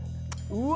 うわ。